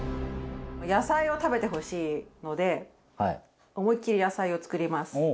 和田：野菜を食べてほしいので思いっきり野菜を作ります。